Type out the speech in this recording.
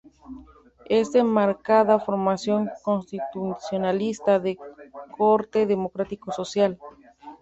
Es de marcada formación constitucionalista, de corte democrático social.